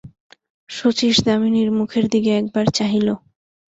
শচীশ দামিনীর মুখের দিকে একবার চাহিল।